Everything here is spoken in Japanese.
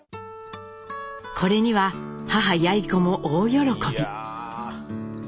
これには母・やい子も大喜び。